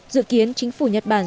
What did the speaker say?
dự kiến chính phủ nhật bản